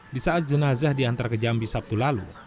di saat jenazah diantar ke jambi sabtu lalu